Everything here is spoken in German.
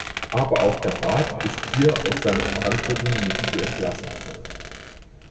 Aber auch der Rat ist hier aus seiner Verantwortung nicht zu entlassen.